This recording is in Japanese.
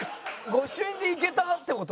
御朱印でいけたって事？